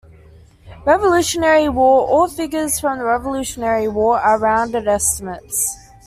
Revolutionary War: All figures from the Revolutionary War are rounded estimates.